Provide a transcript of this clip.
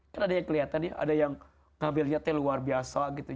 kan ada yang kelihatan ya ada yang ngabiliatnya luar biasa gitu